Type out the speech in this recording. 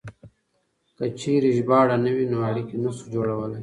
که چېرې ژباړه نه وي نو اړيکې نه شو جوړولای.